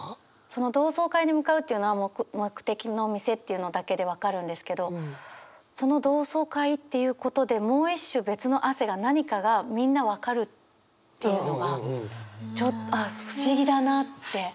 その同窓会に向かうっていうのは「目的の店」っていうのだけで分かるんですけどその同窓会っていうことで「もう一種べつの汗」が何かがみんな分かるっていうのが不思議だなって。